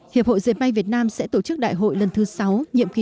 hiệp hội diệt may việt nam sẽ tổ chức đại hội lần thứ sáu